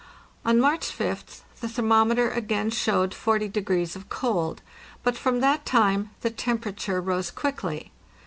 On March 5th the thermometer again showed 40 degrees of cold ; but from that time the temperature rose quickly.